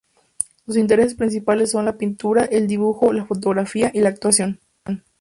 Sus intereses principales son la pintura, el dibujo, la fotografía y la actuación.